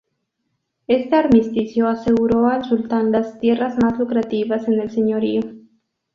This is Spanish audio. Este armisticio aseguro al sultán las tierras más lucrativas en el señorío.